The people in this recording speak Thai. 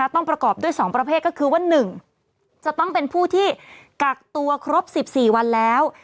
ประกอบด้วย๒ประเภทก็คือว่า๑จะต้องเป็นผู้ที่กักตัวครบ๑๔วันแล้ว